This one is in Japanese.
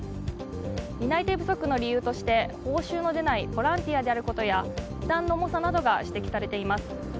担い手不足の理由として報酬の出ないボランティアであることや負担の重さなどが指摘されています。